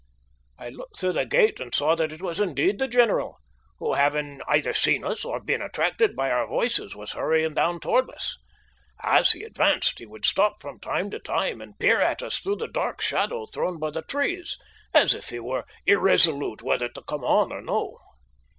I looked through the gate and saw that it was indeed the general, who, having either seen us or been attracted by our voices, was hurrying down towards us. As he advanced he would stop from time to time and peer at us through the dark shadow thrown by the trees, as if he were irresolute whether to come on or no.